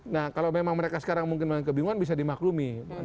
nah kalau memang mereka sekarang mungkin kebingungan bisa dimaklumi